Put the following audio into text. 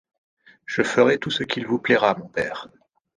Je ferai tout ce qu’il vous plaira, mon père.